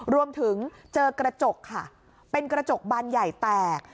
รวมถึงเจอกระจกค่ะเป็นกระจกบานใหญ่แตก